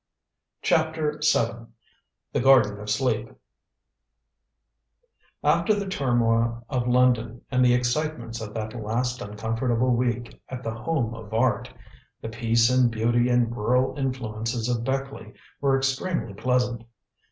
CHAPTER VII THE GARDEN OF SLEEP After the turmoil of London and the excitements of that last uncomfortable week at The Home of Art, the peace and beauty and rural influences of Beckleigh were extremely pleasant.